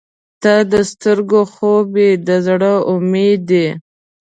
• ته د سترګو خوب یې، د زړه امید یې.